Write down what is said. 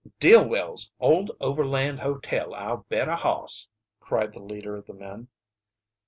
"Dillwell's old overland hotel, I'll bet a hoss," cried the leader of the men.